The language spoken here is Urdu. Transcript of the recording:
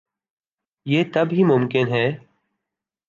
یہ تب ہی ممکن ہے۔